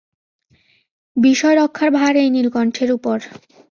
বিষয়রক্ষার ভার এই নীলকণ্ঠের উপর।